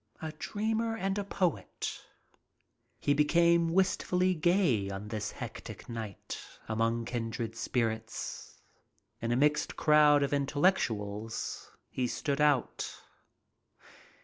A dreamer and a poet, he became wistfully gay on this hectic night among kindred spirits. In a mixed crowd of intellectuals he stood out.